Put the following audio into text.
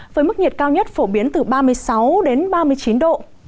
với mức nhiệt cao nhất phổ biến từ ba mươi sáu đến ba mươi chín độ